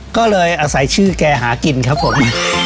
ก็เลยอาศัยชื่อแกหากินครับผม